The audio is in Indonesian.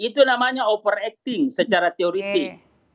itu namanya overacting secara teoretik